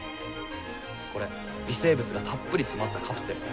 これ微生物がたっぷり詰まったカプセル。